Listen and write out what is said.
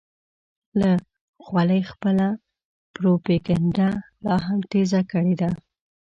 له خولې خپله پروپیګنډه لا هم تېزه کړې ده.